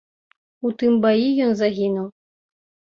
У тым баі ён загінуў.